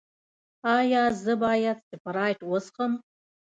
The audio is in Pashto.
ایا زه باید سپرایټ وڅښم؟